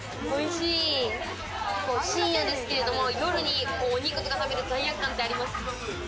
深夜ですけれども、夜にお肉を食べて罪悪感ってありますか？